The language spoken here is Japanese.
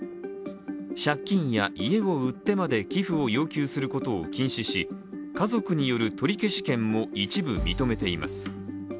借金や家を売ってまで寄付を要求することを禁止し、家族による取消権も一部認めています。